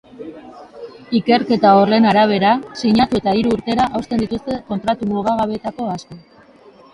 Ikerketa horren arabera, sinatu eta hiru urtera hausten dituzte kontratu mugagabeetako asko.